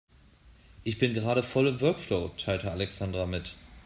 Ich bin gerade voll im Workflow, teilte Alexandra mit.